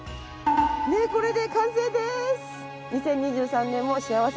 ねえこれで完成です。